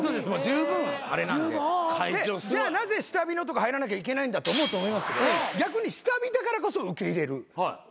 じゅうぶんあれなんでじゃあなぜ下火のとこ入らなきゃいけないんだと思うと思いますけど逆に下火だからこそ受け入れるっていうことです。